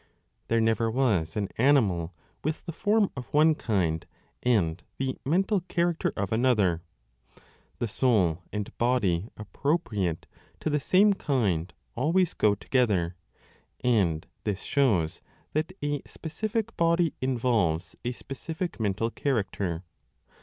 3 There never was an animal w r ith the form of one kind and the mental character of another : the soul and body appropriate to the same kind always go together, and this shows that a specific body involves a specific mental character.